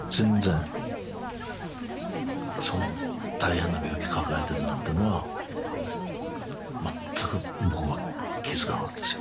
その大変な病気抱えてるなんていうのは全く僕は気付かなかったですよ。